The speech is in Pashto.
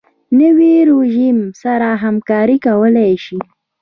نوی رژیم سره همکاري کولای شي.